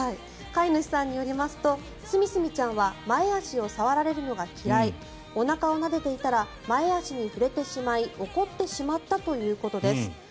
飼い主さんによるとすみすみちゃんは前足を触られるのが嫌いおなかをなでていたら前足に触れてしまい怒ってしまったということです。